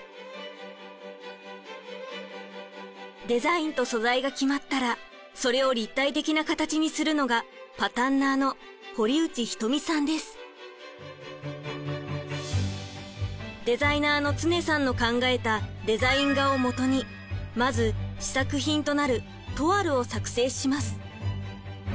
デザインと素材が決まったらそれを立体的な形にするのがデザイナーの常さんの考えたデザイン画をもとにまず試作品となるトワルを作成します。